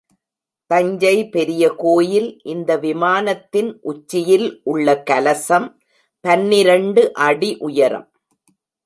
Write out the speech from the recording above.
தஞ்சை பெரிய கோயில் இந்த விமானத்தின் உச்சியில் உள்ள கலசம் பன்னிரண்டு அடி உயரம்.